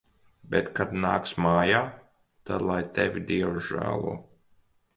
Bet kad nāks mājā, tad lai tevi Dievs žēlo.